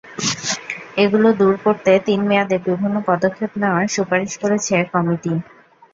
এগুলো দূর করতে তিন মেয়াদে বিভিন্ন পদক্ষেপ নেওয়ার সুপারিশ করেছে কমিটি।